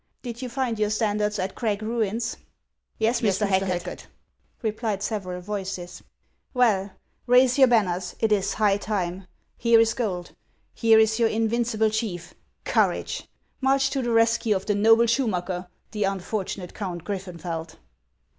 Did you find your standards at Crag ruins ?"" Yes, Mr. Hacket," replied several voices. HAXS OF ICELAND. 343 " Well, raise your banners ; it is high time ! Here is gold ! Here is your invincible chief ! Courage ! March to the rescue of the noble Schurnacker, the unfortunate Count Griffenfeld